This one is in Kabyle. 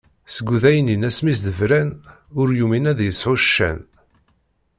Seg udaynin asmi s-d-bran, ur yumin ad yesɛu ccan.